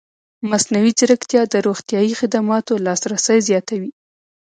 مصنوعي ځیرکتیا د روغتیايي خدماتو لاسرسی زیاتوي.